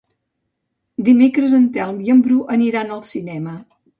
Dimecres en Telm i en Bru aniran al cinema.